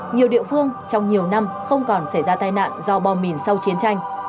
nhiều địa phương trong nhiều năm không còn xảy ra tai nạn do bom mìn sau chiến tranh